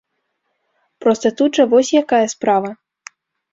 Проста тут жа вось якая справа.